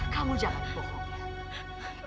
kamu jangan bohong